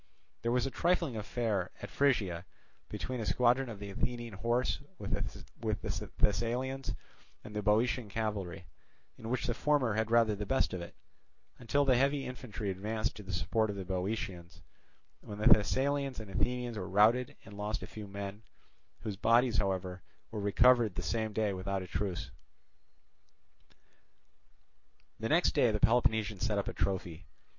There was a trifling affair at Phrygia between a squadron of the Athenian horse with the Thessalians and the Boeotian cavalry; in which the former had rather the best of it, until the heavy infantry advanced to the support of the Boeotians, when the Thessalians and Athenians were routed and lost a few men, whose bodies, however, were recovered the same day without a truce. The next day the Peloponnesians set up a trophy.